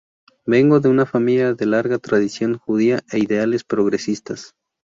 Vengo de una familia de larga tradición judía e ideales progresistas.